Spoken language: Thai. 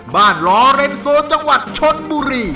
บ้านลอเรนโซจังหวัดชลบุรี